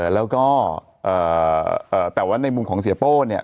แล้วก็แต่ว่าในมุมของเสียโป้เนี่ย